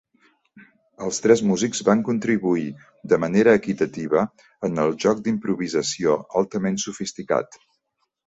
Els tres músics van contribuir de manera equitativa en el joc d'improvisació altament sofisticat.